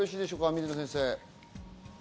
水野先生。